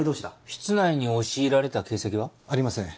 室内に押し入られた形跡は？ありません。